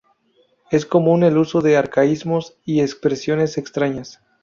Es común el uso de arcaísmos y expresiones extrañas.